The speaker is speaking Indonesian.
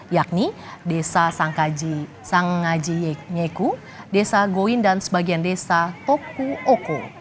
yakni desa sangkaji sangaji nyeku desa goin dan sebagian desa toku oko